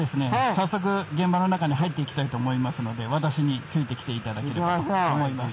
早速現場の中に入っていきたいと思いますので私についてきて頂きたいと思います。